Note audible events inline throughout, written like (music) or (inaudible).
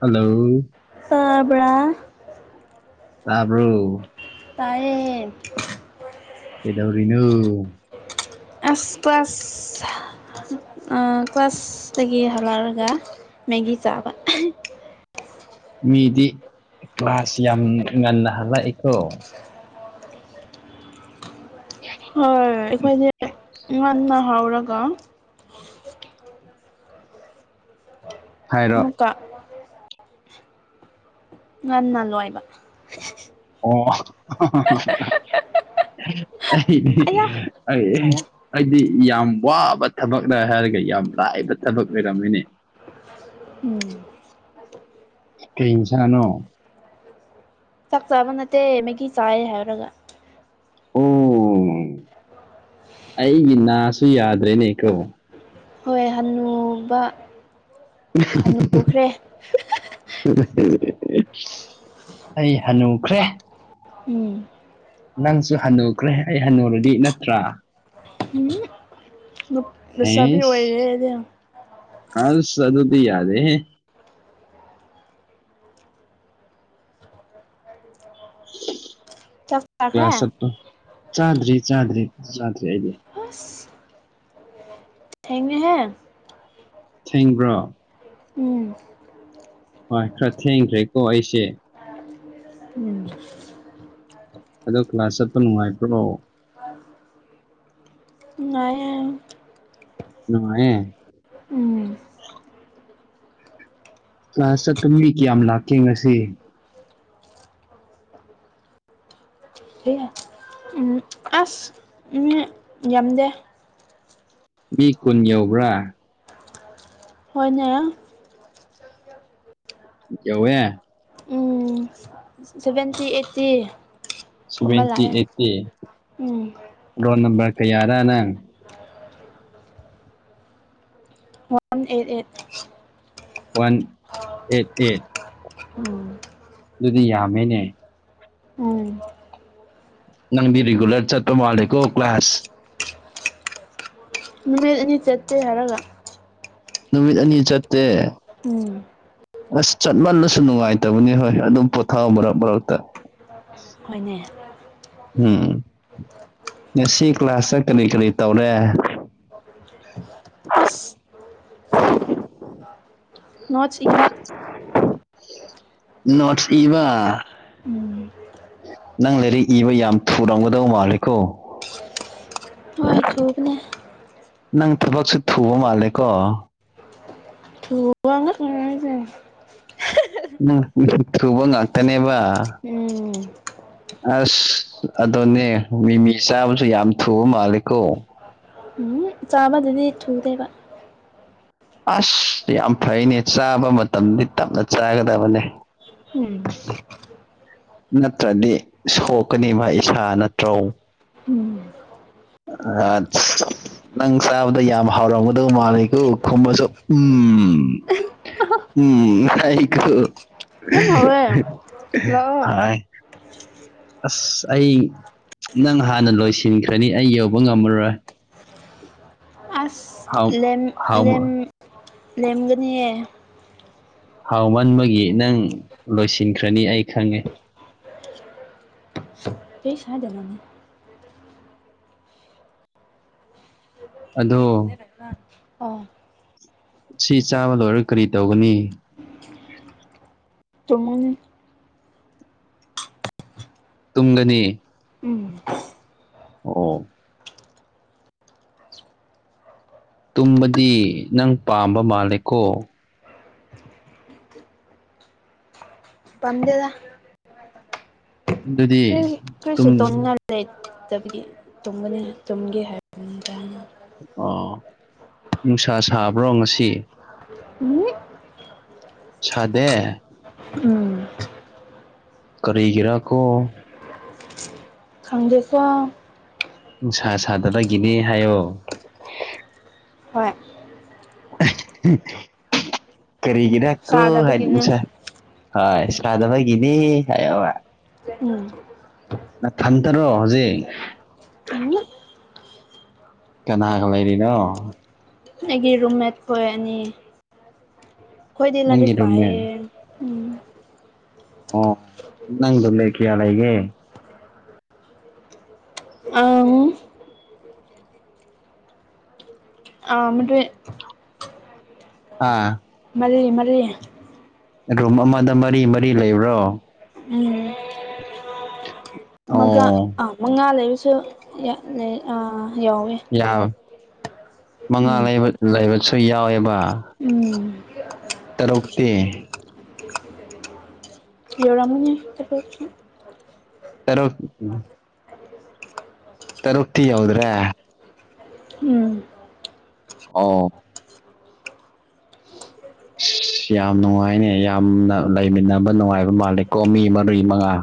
Hello ꯇꯥꯕ꯭ꯔꯥ ꯇꯥꯕ꯭ꯔꯣ ꯇꯥꯏꯌꯦ ꯀꯩꯗꯧꯔꯤꯅꯣ (unintelligible) ꯑ ꯀ꯭ꯂꯁꯇꯒꯤ ꯍꯜꯂꯛꯂꯒ ꯃꯦꯒꯤ ꯆꯥꯕ ꯃꯤꯗꯤ ꯀ꯭ꯂꯥꯁ ꯌꯥꯝ ꯉꯟꯅ ꯍꯜꯂꯛꯏꯀꯣ ꯍꯣꯏ ꯑꯩꯈꯣꯏꯗꯤ ꯉꯟꯅ ꯍꯧꯔꯒ ꯍꯥꯏꯔꯣ ꯑꯃꯨꯛ ꯀꯥ ꯉꯟꯅ ꯂꯣꯏꯕ ꯑꯣ........ ꯑꯩꯗꯤ ꯑꯌꯥ ꯑꯩ ꯆꯥꯔꯦ ꯑꯩꯗꯤ ꯌꯥꯝ ꯋꯥꯕ ꯊꯕꯛꯂꯥ ꯍꯥꯏꯔꯒ ꯌꯥꯝ ꯂꯥꯏꯕ ꯊꯕꯛ ꯑꯣꯏꯔꯝꯃꯦꯅꯦ ꯍꯨꯝ ꯀꯩ ꯏꯟꯁꯥꯡꯅꯣ ꯆꯥꯛ ꯆꯥꯕ ꯅꯠꯇꯦ ꯃꯦꯒꯤ ꯆꯥꯏ ꯍꯥꯏꯔꯒ ꯑꯣ ꯑꯩꯒꯤ ꯅꯥꯁꯦ ꯌꯥꯗ꯭ꯔꯦꯅꯦꯀꯣ ꯍꯣꯏ ꯍꯟꯅꯨꯕ ꯍꯟꯅꯨꯈ꯭ꯔꯦ (unintelligible) ꯑꯩ ꯍꯅꯨꯈ꯭ꯔꯦ ꯎꯝ ꯅꯪꯁꯨ ꯍꯟꯅꯨꯈ꯭ꯔꯦ ꯑꯩ ꯍꯟꯅꯨꯔꯗꯤ ꯅꯠꯇ꯭ꯔꯥ ꯍꯨꯝ ꯑꯩꯗꯤ ꯑꯦꯁ ꯑꯁ ꯑꯗꯨꯗꯤ ꯌꯥꯗꯔꯦꯍꯦ ꯆꯥꯛ ꯆꯥꯈ꯭ꯔꯦ ꯀ꯭ꯂꯥꯁ ꯆꯠꯄ ꯆꯥꯗ꯭ꯔꯤ ꯆꯥꯗ꯭ꯔꯤ ꯆꯥꯗ‍‍꯭ꯔꯤ ꯑꯩ ꯑꯁ ꯊꯦꯡꯉꯦꯍꯦ ꯊꯦꯡꯕ꯭ꯔꯣ ꯎꯝ ꯍꯣꯏ ꯈ꯭ꯔ ꯊꯦꯡꯈ꯭ꯔꯦꯀꯣ ꯑꯩꯁꯦ ꯎꯝ ꯑꯗꯣ ꯀ꯭ꯂꯥꯁ ꯆꯠꯄ ꯅꯨꯡꯉꯥꯏꯕ꯭ꯔꯣ ꯅꯨꯡꯉꯥꯏꯌꯦ ꯅꯨꯡꯉꯥꯏꯌꯦ ꯎꯝ ꯀ꯭ꯂꯥꯁ ꯆꯠꯄ ꯃꯤ ꯀꯌꯥꯝ ꯂꯥꯛꯀꯦ ꯉꯁꯤ ꯎꯝ ꯑꯁ ꯃꯤ ꯌꯥꯝꯗꯦ ꯃꯤ ꯀꯨꯟ ꯌꯧꯕ꯭ꯔꯥ ꯍꯣꯏꯅꯦ ꯌꯧꯌꯦ ꯎꯝ ꯁꯚꯦꯟꯇꯤ ꯑꯩꯠꯇꯤ ꯒꯨꯝꯕ ꯁꯚꯦꯟꯇꯤ ꯂꯥꯛꯑꯦ ꯑꯩꯠꯇꯤ ꯎꯝ ꯔꯣꯜ ꯅꯝꯕꯔ ꯀꯌꯥꯔꯥ ꯅꯪ one eight eight one eight eight ꯎꯝ ꯑꯗꯨꯗꯤ ꯌꯥꯝꯃꯦꯅꯦ ꯎꯝ ꯅꯪꯗꯤ ꯔꯤꯒꯨꯂꯔ ꯆꯠꯄ ꯃꯥꯂꯦꯀꯣ ꯀ꯭ꯂꯥꯁ ꯅꯨꯃꯤꯠ ꯑꯅꯤ ꯆꯠꯇꯦ ꯍꯥꯏꯔꯒ ꯅꯨꯃꯤꯠ ꯑꯅꯤ ꯆꯠꯇꯦ ꯎꯝ ꯑꯁ ꯆꯠꯃꯜꯂꯁꯨ ꯅꯨꯡꯉꯥꯏꯇꯕꯅꯤ ꯍꯣꯏ ꯑꯗꯣ ꯄꯣꯊꯥꯎ ꯃꯔꯛ ꯃꯔꯛꯇ ꯍꯣꯏꯅꯦ ꯎꯝ ꯉꯁꯤ ꯀ꯭ꯂꯥꯁꯇ ꯀꯔꯤ ꯀꯔꯤ ꯇꯧꯔꯦ (inaudible) ꯑꯁ ꯅꯣꯠꯁ ꯏꯕ ꯅꯣꯠꯁ ꯏꯕ ꯎꯝ ꯅꯪ ꯂꯥꯏꯔꯤꯛ ꯏꯕ ꯌꯥꯝ ꯊꯨꯔꯝꯒꯗꯧ ꯃꯥꯜꯂꯦꯀꯣ ꯍꯣꯏ ꯊꯨꯕꯅꯦ ꯅꯪ ꯊꯕꯛꯁꯨ ꯊꯨꯕ ꯃꯥꯜꯂꯦ ꯀꯣ ꯊꯨꯑꯉ ꯈꯖ ꯎꯝ ꯊꯨꯕ ꯉꯥꯛꯇꯅꯦꯕ ꯎꯝ ꯑꯁ ꯑꯗꯨꯅꯦ ꯃꯤꯃꯤ ꯆꯥꯕꯁꯨ ꯌꯥꯝ ꯊꯨꯕ ꯃꯥꯂꯦꯀꯣ ꯎꯝ ꯆꯥꯕꯗꯗꯤ ꯊꯨꯗꯦꯕ ꯑꯁ ꯌꯥꯝ ꯐꯩꯅꯦ ꯆꯥꯕ ꯃꯇꯝꯗꯤ ꯇꯞꯅ ꯆꯥꯒꯗꯕꯅꯦ ꯎꯝ ꯅꯠꯇ꯭ꯔꯗꯤ ꯁꯣꯛꯀꯅꯤꯕ ꯏꯁꯥ ꯅꯠꯇ꯭ꯔꯣ ꯎꯝ ꯑꯁ ꯅꯪ ꯆꯥꯕꯗꯣ ꯌꯥꯝ ꯍꯥꯎꯔꯝꯒꯗꯧ ꯃꯥꯂꯦꯀꯣ ꯈꯨꯝꯕꯁꯨ ꯎꯝ ꯎꯝꯀꯣ ꯌꯥꯝ ꯍꯥꯎꯋꯦ ꯂꯥꯛꯑꯣ ꯍ ꯑꯁ ꯑꯩ ꯅꯪ ꯍꯥꯟꯅ ꯂꯣꯏꯁꯤꯟꯈ꯭ꯔꯅꯤ ꯑꯩ ꯌꯧꯕ ꯉꯝꯃꯔꯣꯏ ꯑꯁ ꯍꯥꯎ ꯂꯦꯝ ꯍꯥꯎ ꯂꯦꯟ ꯂꯦꯝꯒꯅꯤꯌꯦ ꯍꯥꯎ ꯃꯟꯕꯒꯤ ꯅꯪ ꯂꯣꯏꯁꯤꯟꯈ꯭ꯔꯅꯤ ꯑꯩ ꯈꯪꯉꯦ ꯀꯁ ꯍꯥꯏꯗꯃꯅꯤ ꯑꯗꯣ ꯑꯣ ꯁꯤ ꯆꯥꯕ ꯂꯣꯏꯔꯒ ꯀꯔꯤ ꯇꯧꯒꯅꯤ ꯇꯨꯝꯃꯅꯤ ꯇꯨꯝꯒꯅꯤ ꯎꯝ ꯑꯣ ꯇꯨꯝꯕꯗꯤ ꯅꯪ ꯄꯥꯝꯕ ꯃꯥꯜꯂꯦꯀꯣ ꯄꯝꯗꯦꯗ ꯑꯗꯨꯗꯤ ꯀꯔꯤꯁꯨ ꯇꯨꯝ ꯇꯧꯅꯤꯡꯉꯥꯢ ꯂꯩꯇꯕꯒꯤ ꯇꯨꯝꯕꯅꯦ ꯇꯨꯝꯒꯦ ꯍꯥꯏ ꯇꯅ (inaudible) ꯑꯣ ꯅꯨꯡꯁꯥ ꯁꯥꯕ꯭ꯔꯣ ꯉꯁꯤ ꯑꯨꯝ ꯁꯥꯗꯦ ꯎꯝ ꯀꯔꯤꯒꯤꯔꯀꯣ (inaudible) ꯈꯪꯗꯦꯁꯨ ꯎ ꯁꯥ ꯁꯥꯗꯕꯒꯤꯅꯦ ꯍꯥꯏꯌꯣ ꯍꯣꯏ ꯀꯔꯤꯒꯤꯗꯀꯣ ꯆꯥꯗꯕꯒꯤꯅꯦ ꯍꯥꯏꯁ ꯍꯥꯢ ꯁꯥꯗꯕꯒꯤꯅꯤ ꯍꯥꯏꯌꯣꯕ ꯎꯝ ꯅꯊꯟꯇꯔꯣ ꯍꯧꯖꯤꯛ ꯎꯝ ꯀꯅꯥꯒ ꯂꯩꯔꯤꯅꯣ ꯑꯩꯒꯤ ꯔꯨꯝꯃꯦꯠ ꯀꯣꯏꯔꯅꯤ ꯑꯩꯈꯣꯏꯗꯤ ꯂꯥꯏꯔꯤꯛ ꯅꯪꯒꯤ ꯄꯥꯢꯌꯦ ꯔꯨꯝꯃꯦꯠ ꯎꯝ ꯑꯣ ꯅꯪ (inaudible) ꯈꯌꯥ ꯂꯩ ꯑꯩꯒꯦ ꯑꯪ ꯑꯥ (inaudible) ꯑꯥ ꯃꯔꯤ ꯃꯔꯤ ꯔꯨꯝ ꯑꯃꯗ ꯃꯔꯤ ꯃꯔꯤ ꯂꯩꯕ꯭ꯔꯣ ꯎꯝ ꯃꯒꯥ ꯑꯣ ꯑꯥ ꯃꯉꯥ ꯂꯩꯕꯁꯨ ꯑꯥ ꯌꯥꯎꯋꯦ ꯌꯥꯝ ꯃꯉꯥ ꯎꯝ ꯂꯩꯕꯁꯨ ꯌꯥꯎꯋꯦꯕ ꯎꯝ ꯇꯔꯨꯛꯇꯤ ꯀꯦꯁ (inaudible) ꯄꯤꯌꯔ ꯑꯃꯅꯤ ꯍꯥꯏ ꯄꯁꯤ (inaudible) ꯇꯔꯨꯛ ꯇꯔꯨꯛꯇꯤ ꯌꯥꯎꯗ꯭ꯔꯦ ꯎꯝ ꯑꯥꯎ ꯌꯥꯝ ꯅꯨꯡꯉꯥꯏꯅꯦ ꯌꯥꯝꯅ ꯂꯩꯃꯤꯟꯅꯕ ꯅꯨꯡꯉꯥꯏꯕ ꯃꯥꯜꯂꯦꯀꯣ ꯃꯤ ꯃꯔꯤ ꯃꯉꯥ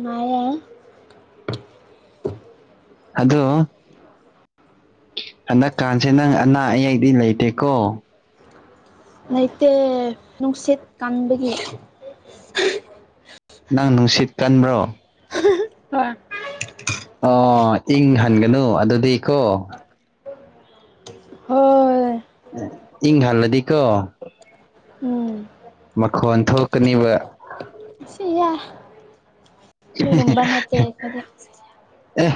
ꯅꯨꯡꯉꯥꯢꯌꯦ ꯑꯗꯨ ꯍꯟꯗꯛꯀꯥꯟꯁꯦ ꯅꯪ ꯑꯅꯥ ꯑꯌꯦꯛꯗꯤ ꯂꯩꯇꯦꯀꯣ ꯂꯩꯇꯦ ꯅꯨꯡꯁꯤꯠ ꯀꯥꯟꯕꯒꯤ ꯅꯪ ꯅꯨꯡꯁꯤꯠ ꯀꯟꯕ꯭ꯔꯣ ꯍꯣꯏ ꯑꯣ ꯏꯪ ꯍꯟꯒꯅꯨ ꯑꯗꯨꯗꯤꯀꯣ ꯍꯣꯏ ꯏꯪ ꯍꯜꯂꯗꯤꯀꯣ ꯎꯝ ꯃꯈꯣꯟ ꯊꯣꯛꯀꯅꯤꯕ ꯁꯤꯌꯥ ꯑꯗꯨꯒꯨꯝꯕ ꯅꯠꯇꯦ ꯑꯩꯈꯣꯢ ꯑꯦ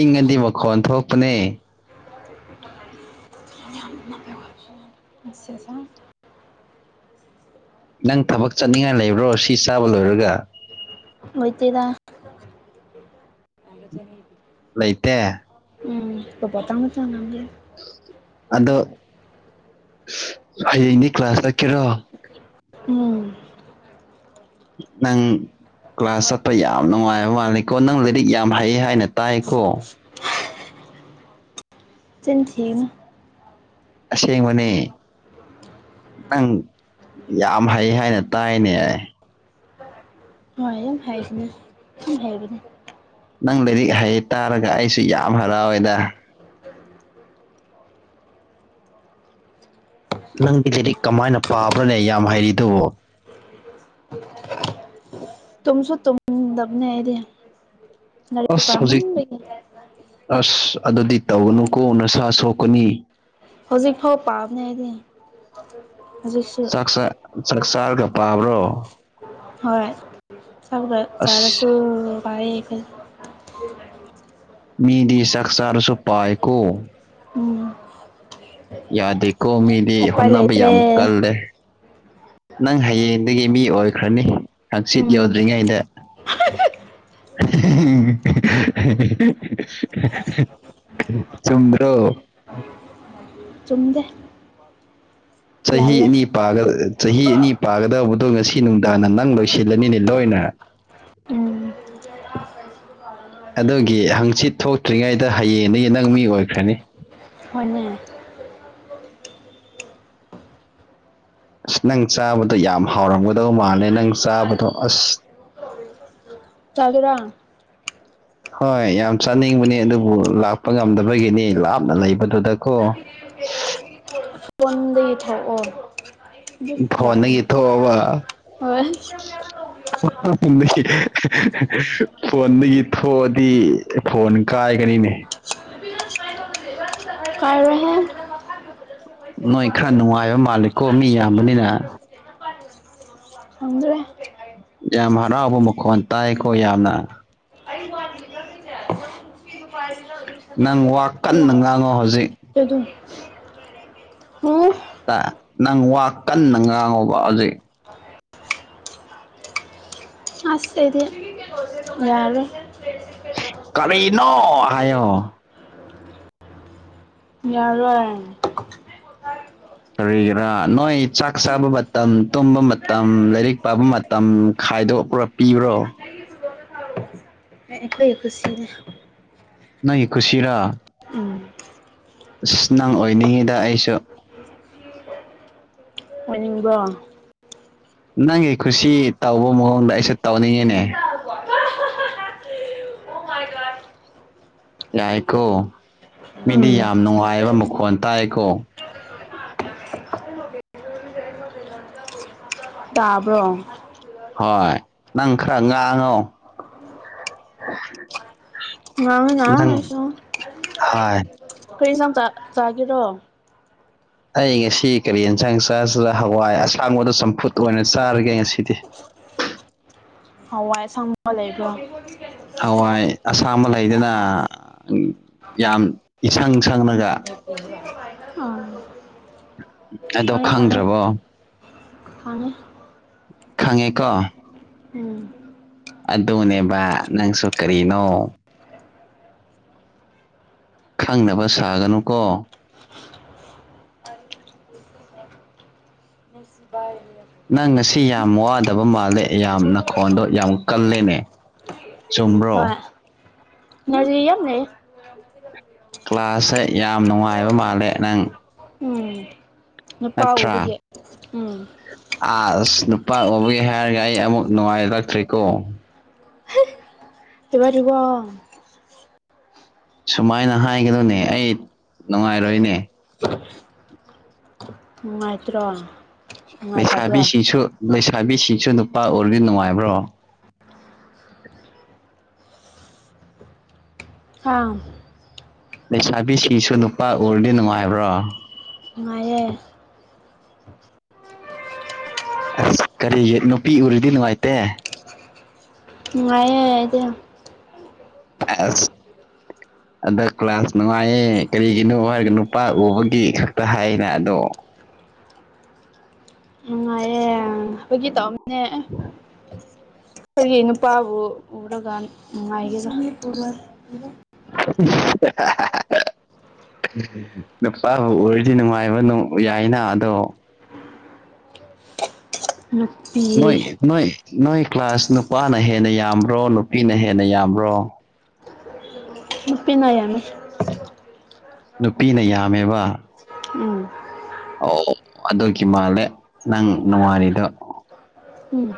ꯏꯪꯉꯗꯤ ꯃꯈꯣꯟ ꯊꯣꯛꯄꯅꯦ (unintelligible) (unintelligible) ꯅꯪ ꯊꯕꯛ ꯆꯠꯅꯤꯡꯉꯥꯏ ꯂꯩꯕ꯭ꯔꯣ ꯁꯤ ꯆꯥꯕ ꯂꯣꯏꯔꯒ ꯍꯩꯇꯦꯗ (unintelligible) ꯂꯩꯇꯦ ꯏ ꯄꯇꯥ ꯉ ꯆ ꯉꯪꯦ (unintelligible) (inaudible) ꯑꯗꯣ ꯍꯌꯦꯡꯗꯤ ꯀ꯭ꯂꯥꯁ ꯆꯥꯠꯀꯦꯔꯣ ꯎꯝ ꯅꯪ ꯀ꯭ꯂꯥꯁ ꯆꯠꯄ ꯌꯥꯝ ꯅꯨꯡꯉꯥꯏꯕ ꯃꯥꯜꯂꯤꯀꯣ ꯅꯪ ꯂꯥꯏꯔꯤꯛ ꯌꯥꯝ ꯍꯩ ꯍꯥꯏꯅ ꯇꯥꯏꯀꯣ ꯆꯤꯟ ꯊꯤꯒꯅꯨ ꯑꯁꯦꯡꯕꯅꯦ ꯅꯪ ꯌꯥꯝ ꯍꯩ ꯍꯦ ꯍꯥꯢꯅ ꯇꯥꯏꯅꯦ (unintelligible) ꯑꯗꯨꯝ ꯍꯥꯏꯁꯅꯨ ꯁꯨꯝ ꯍꯥꯏꯕꯅꯦ ꯅꯪ ꯂꯥꯏꯔꯤꯛ ꯍꯩꯌꯦ ꯇꯥꯔꯒ ꯑꯩꯁꯨ ꯌꯥꯝ ꯍꯔꯥꯎꯑꯦꯗ ꯅꯪꯗꯤ ꯂꯥꯢꯔꯤꯛ ꯀꯃꯥꯏꯅ ꯄꯥꯕ꯭ꯔꯅꯦ ꯌꯥꯝ ꯍꯩꯔꯤꯗꯨꯕꯨ ꯇꯨꯨꯝꯁꯨ ꯇꯨꯝꯗꯕꯅꯦ ꯑꯩꯗꯤ ꯂꯥꯏꯔꯤꯛ ꯑꯁ ꯍꯧꯖꯤꯛ ꯄꯥꯃꯟꯕꯒꯤ ꯑꯁ ꯑꯗꯨꯗꯤ ꯇꯧꯒꯅꯨꯀꯣ ꯅꯁꯥ ꯁꯣꯛꯀꯅꯤ ꯍꯧꯖꯤꯛ ꯐꯥꯎ ꯄꯥꯕꯅꯦ ꯑꯩꯗꯤ ꯍꯧꯖꯤꯛꯁꯨ ꯆꯥꯛꯆ ꯆꯥꯛ ꯆꯥꯔꯒ ꯄꯥꯕ꯭ꯔꯣ ꯍꯣꯏ ꯆꯥꯛ ꯑꯁ ꯆꯔꯁꯨ ꯄꯥꯌꯦ ꯑꯩꯈꯣꯢ ꯃꯤꯗꯤ ꯆꯥꯛ ꯆꯥꯔꯁꯨ ꯄꯥꯥꯏꯀꯣ ꯎꯝ ꯌꯥꯗꯦꯀꯣ ꯃꯤꯗꯤ ꯎꯄꯥꯏ ꯍꯣꯠꯅꯕ ꯌꯥꯝ ꯂꯩꯇ꯭ꯔꯦ ꯀꯜꯂꯦ ꯅꯪ ꯍꯌꯦꯡꯗꯒꯤ ꯃꯤ ꯑꯣꯏꯈ꯭ꯔꯅꯤ ꯍꯪꯆꯤꯠ ꯎꯝ ꯌꯧꯗ꯭ꯔꯤꯉꯩꯗ (unintelligible) (unintelligible) ꯆꯨꯝꯗ꯭ꯔꯣ ꯆꯨꯝꯗꯦ ꯆꯍꯤ ꯂꯥꯜꯂꯦ ꯑꯅꯤ ꯆꯍꯤ ꯑꯅꯤ ꯄꯥꯒꯗꯕꯗꯣ ꯉꯁꯤ ꯅꯨꯡꯗꯥꯡꯅ ꯅꯪ ꯂꯣꯏꯁꯤꯜꯂꯅꯤꯅꯦ ꯂꯣꯏꯅ ꯎꯝ ꯑꯗꯨꯒꯤ ꯍꯪꯆꯤꯠ ꯊꯣꯛꯇ꯭ꯔꯤꯉꯩꯗ ꯍꯌꯦꯡꯗꯒꯤ ꯅꯪ ꯃꯤ ꯑꯣꯏꯈ꯭ꯔꯅꯤ ꯍꯣꯏꯅꯦ ꯑꯁ ꯅꯪ ꯆꯥꯕꯗꯣ ꯌꯥꯝ ꯍꯥꯎꯔꯝꯒꯗꯧ ꯃꯥꯜꯂꯦ ꯅꯪ ꯆꯥꯕꯗꯣ ꯑꯁ (inaudible) ꯆꯥꯒꯦꯔꯥ (inaudible) ꯍꯣꯏ ꯌꯥꯝ ꯆꯥꯅꯤꯡꯕꯅꯤ ꯑꯗꯨꯕꯨ ꯂꯥꯛꯄ ꯉꯝꯗꯕꯒꯤꯅꯤ ꯂꯥꯞꯅ ꯂꯩꯕꯗꯨꯗꯀꯣ (unintelligible) ꯐꯣꯟꯗꯒꯤ ꯊꯣꯛ ꯑꯣ ꯐꯣꯟꯗꯒꯤ ꯊꯣꯛꯑꯕ (unintelligible) ꯍꯣꯏ (unintelligible) ꯐꯣꯟꯗꯒꯤ ꯊꯣꯛꯑꯗꯤ ꯐꯣꯟ ꯀꯥꯏꯒꯅꯤꯅꯦ ꯀꯥꯢꯔꯣꯢꯍꯦ ꯅꯣꯏ ꯈꯔ ꯅꯨꯡꯉꯥꯏꯕ ꯃꯥꯜꯂꯤꯀꯣ ꯃꯤ ꯌꯥꯝꯕꯅꯤꯅ ꯈꯪꯗ꯭ꯔꯦ ꯌꯥꯝ ꯍꯔꯥꯎꯕ ꯃꯈꯣꯟ ꯇꯥꯏꯀꯣ ꯌꯥꯝꯅ (unintelligible) ꯅꯪ ꯋꯥ ꯀꯟꯅ ꯉꯥꯡꯉꯣ ꯍꯧꯖꯤꯛ ꯇꯦ ꯗꯨꯡ ꯇ ꯅꯪ ꯋꯥ ꯀꯟꯅ ꯉꯥꯡꯉꯨꯕ ꯍꯧꯖꯤꯛ ꯑꯁ ꯍꯥꯏꯗꯤ ꯌꯥꯔꯦ꯫ ꯀꯔꯤꯅꯤ ꯍꯥꯏꯌꯣ ꯌꯥꯔꯣꯏ ꯀꯔꯤꯒꯤꯔꯥ ꯅꯣꯏ ꯆꯥꯛ ꯆꯥꯕ ꯃꯇꯝ ꯇꯨꯝꯕ ꯃꯇꯝ ꯂꯥꯏꯔꯤꯛ ꯄꯥꯕ ꯃꯇꯝ ꯇꯝ ꯈꯥꯏꯗꯣꯛꯄ꯭ꯔꯥ ꯄꯤꯕ꯭ꯔꯣ ꯑꯩꯈꯣꯏ ꯀꯨꯁꯤꯅꯦ ꯅꯣꯢꯒꯤ ꯀꯨꯁꯤꯔꯥ ꯎꯝ ꯑꯁ ꯅꯪ ꯑꯣꯏꯅꯤꯡꯉꯤꯗ ꯑꯩꯁꯨ ꯑꯣꯏꯅꯤꯡꯕꯔꯣ꯫ ꯅꯪꯒꯤ ꯈꯨꯁꯤ ꯇꯧꯕ ꯃꯑꯣꯡꯗ ꯑꯩꯁꯨ ꯇꯧꯅꯤꯡꯉꯤꯅꯦ ꯌꯥꯏꯀꯣ ꯎꯝ ꯃꯤꯗꯤ ꯌꯥꯝ ꯅꯨꯡꯉꯥꯏꯕ ꯃꯈꯣꯟ ꯇꯥꯏꯀꯣ ꯇꯥꯕ꯭ꯔꯣ ꯍꯣꯏ ꯅꯪ ꯈꯔ ꯉꯥꯡꯉꯣ ꯉꯥꯡꯉꯅ ꯅꯪ ꯉꯁ ꯍꯣꯏ ꯀꯔꯤ ꯏꯟꯁꯡ ꯆꯥꯒꯦꯔꯣ ꯑꯩ ꯉꯁꯤ ꯀꯔꯤ ꯌꯦꯟꯁꯥꯡ ꯆꯥꯁꯤꯔꯥ ꯍꯋꯥꯏ ꯑꯁꯥꯡꯕꯗꯣ ꯆꯝꯐꯨꯠ ꯑꯣꯏꯅ ꯆꯥꯔꯒꯦ ꯉꯁꯤꯗꯤ ꯍꯋꯥꯏ ꯑꯁꯪꯕ ꯂꯩꯕ꯭ꯔꯥ ꯍꯋꯥꯏ ꯑꯁꯥꯝꯕ ꯂꯩꯗꯅ ꯌꯥꯝ ꯏꯁꯪ ꯁꯪꯉꯒ ꯑ ꯑꯗꯣ ꯈꯪꯗ꯭ꯔꯕꯣ ꯈꯡꯒꯦ ꯈꯪꯉꯦꯀꯣ ꯎꯝ ꯑꯗꯨꯅꯦꯕ ꯅꯪꯁꯨ ꯀꯔꯤꯅꯣ ꯈꯪꯗꯕ ꯁꯥꯒꯅꯨ ꯀꯣ ꯕꯥ ꯅꯪ ꯉꯁꯤ ꯌꯥꯝ ꯋꯥꯗꯕ ꯃꯥꯜꯂꯦ ꯌꯥꯝ ꯅꯈꯣꯟꯗꯣ ꯌꯥꯝ ꯀꯜꯂꯦꯅꯦ ꯆꯨꯝꯕ꯭ꯔꯣ ꯅꯖꯔꯤ ꯑꯃꯅꯦ ꯀ꯭ꯂꯥꯁꯁꯦ ꯌꯥꯝ ꯅꯨꯡꯉꯥꯏꯕ ꯃꯥꯜꯂꯦ ꯅꯪ ꯎꯝ ꯅꯨꯄꯥ ꯎꯕꯒꯤ ꯎꯝ ꯑꯥ ꯑꯁ ꯅꯨꯄꯥ ꯎꯕꯒ ꯍꯥꯏꯔꯒ ꯑꯩ ꯑꯃꯨꯛ ꯅꯨꯡꯉꯥꯏꯔꯛꯇꯔꯦꯀꯣ ꯑꯦꯕꯅꯤꯀꯣ ꯁꯨꯃꯥꯏꯅ ꯍꯥꯏꯒꯅꯨꯅꯦ ꯑꯩ ꯅꯨꯡꯉꯥꯏꯔꯣꯏꯅꯦ (inaudible) ꯅꯨꯡꯉꯥꯏꯇ꯭ꯔꯣ ꯅꯨꯡꯉꯥꯏꯇꯕ꯭ꯔꯣ ꯂꯩꯁꯥꯕꯤꯁꯤꯡꯁꯨ ꯂꯩꯁꯥꯕꯤꯁꯤꯡꯁꯨ ꯅꯨꯄꯥ ꯎꯔꯗꯤ ꯅꯨꯡꯉꯥꯏꯕ꯭ꯔꯣ ꯑꯥ ꯂꯩꯁꯥꯕꯤꯁꯤꯡꯁꯨ ꯅꯨꯄꯥ ꯎꯔꯗꯤ ꯅꯨꯡꯉꯥꯏꯕ꯭ꯔꯣ ꯅꯨꯡꯉꯥꯏꯌꯦ ꯑꯁ ꯀꯔꯤꯒꯤ ꯅꯨꯄꯤ ꯎꯔꯥꯗꯤ ꯅꯨꯡꯉꯥꯏꯇꯦ ꯅꯨꯡꯉꯥꯏꯌꯦ ꯑꯩꯗꯤ ꯑ ꯑꯗ ꯀ꯭ꯂꯥꯁ ꯅꯨꯡꯉꯥꯏꯌꯦ ꯀꯔꯤꯒꯤꯅꯣ ꯍꯥꯏꯔꯒ ꯅꯨꯄꯥ ꯎꯕꯒꯤ ꯈꯛꯇ ꯍꯥꯏꯌꯦꯅ ꯑꯗꯣ ꯅꯨꯡꯉꯥꯏꯌꯦ ꯐꯥꯒꯤ ꯇꯧꯃꯦ ꯑꯥ ꯑꯩꯈꯣꯢꯒꯤ ꯅꯨꯄꯥꯕꯨ ꯎꯔꯒꯥ ꯅꯨꯡꯉꯥꯏꯒꯦꯔꯥ (inaudible) ꯅꯨꯄꯥꯕꯨ ꯑꯣꯏꯔꯗꯤ ꯅꯨꯡꯉꯥꯏꯕ ꯌꯥꯏꯅ ꯑꯗꯣ ꯅꯨꯄꯤ ꯅꯣꯏ ꯅꯣꯏ ꯅꯣꯏ ꯀ꯭ꯂꯥꯁ ꯅꯨꯄꯥꯅ ꯍꯦꯟꯅ ꯌꯥꯝꯕ꯭ꯔꯣ ꯅꯨꯄꯤꯅ ꯍꯦꯟꯅ ꯌꯥꯝꯕ꯭ꯔꯣ (inaudible) ꯅꯨꯄꯤꯅ ꯌꯥꯝꯃꯤ ꯅꯨꯄꯤꯅ ꯌꯥꯝꯃꯦꯕ ꯎꯝ ꯑꯣ ꯑꯗꯨꯒꯤ ꯃꯥꯜꯂꯦ ꯅꯪ ꯅꯨꯡꯉꯥꯏꯔꯤꯗꯣ ꯎꯝ